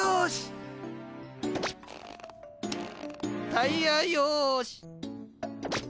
タイヤよし。